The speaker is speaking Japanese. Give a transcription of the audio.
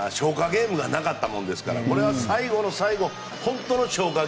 ゲームがなかったものですからこれは最後の最後本当の消化